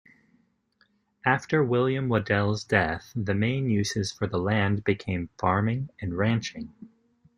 After William Waddell's death, the main uses for the land became farming and ranching.